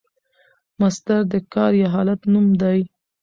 مصدر د کار یا حالت نوم دئ.